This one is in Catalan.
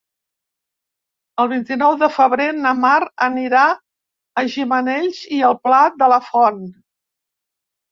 El vint-i-nou de febrer na Mar anirà a Gimenells i el Pla de la Font.